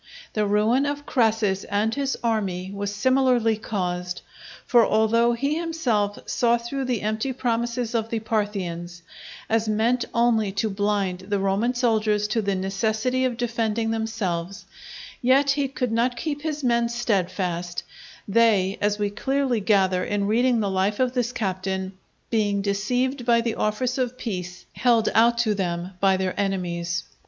The ruin of Crassus and his army was similarly caused: for although he himself saw through the empty promises of the Parthians, as meant only to blind the Roman soldiers to the necessity of defending themselves, yet he could not keep his men steadfast, they, as we clearly gather in reading the life of this captain, being deceived by the offers of peace held out to them by their enemies.